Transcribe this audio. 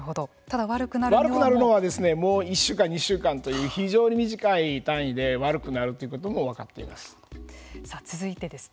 悪くなるのは１週間２週間という非常に短い単位で悪くなるということも続いてです。